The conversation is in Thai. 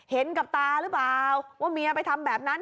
เห็นกับตาหรือเปล่าว่าเมียไปทำแบบนั้น